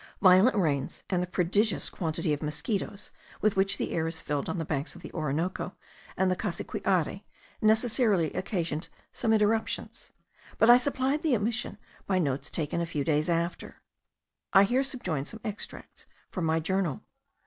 Violent rains, and the prodigious quantity of mosquitos with which the air is filled on the banks of the Orinoco and the Cassiquiare, necessarily occasioned some interruptions; but I supplied the omission by notes taken a few days after. I here subjoin some extracts from my journal.